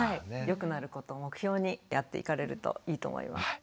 よくなることを目標にやっていかれるといいと思います。